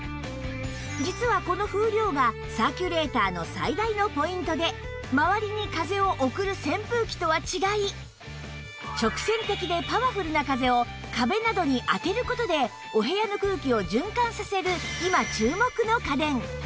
実はこの風量がサーキュレーターの最大のポイントで周りに風を送る扇風機とは違い直線的でパワフルな風を壁などに当てる事でお部屋の空気を循環させる今注目の家電